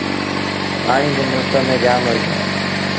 پآڻيٚ با ملڪ ميݩ جآم هوئيٚتو۔